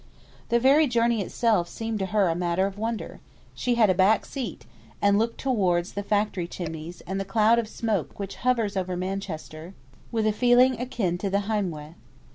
The very journey itself seemed to her a matter of wonder. She had a back seat, and looked towards the factory chimneys, and the cloud of smoke which hovers over Manchester, with a feeling akin to the "Heimweh."